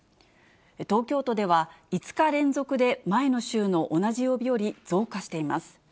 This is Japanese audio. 東京都では、５日連続で前の週の同じ曜日より増加しています。